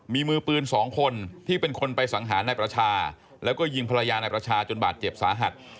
มีมือปืนสองคนที่เป็นคนไปสังหารนายประชาแล้วก็ยิงภรรยานายประชาจนบาดเจ็บสาหัส